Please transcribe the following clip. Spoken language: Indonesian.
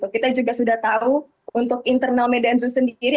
kita juga sudah tahu untuk internal medan zu sendiri